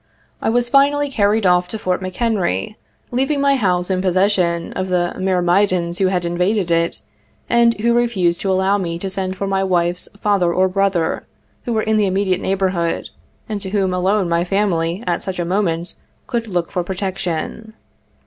I was finally carried off to Fort McHenry, leaving my house in possession of the myrmidons who had invaded it, and who refused to allow me to send for my wife's father or brother, who were in the immediate neighborhood, and to whom alone my family, at such a moment, could look for protection.